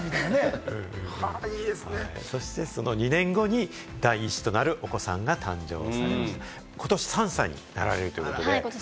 その２年後に第１子となるお子さんが誕生されて、ことし３歳になられるということで。